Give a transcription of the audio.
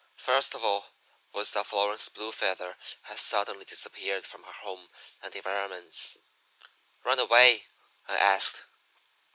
First of all, was that Florence Blue Feather had suddenly disappeared from her home and environments. "'Run away?' I asked.